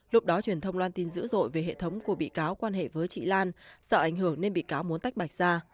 lúc đó truyền thông loan tin dữ dội về hệ thống của bị cáo quan hệ với chị lan sợ ảnh hưởng nên bị cáo muốn tách bạch ra